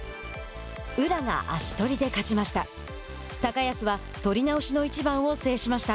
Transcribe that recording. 宇良が足取りで勝ちました。